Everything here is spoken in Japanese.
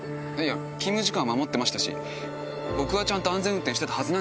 勤務時間は守ってましたし僕は安全運転してたはずです。